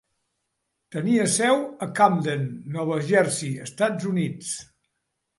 Tenia seu a Camden, Nova Jersey, Estats Units.